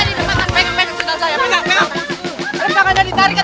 rem tangannya ditarikan